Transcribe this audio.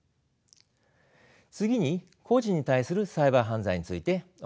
次に個人に対するサイバー犯罪についてお話しします。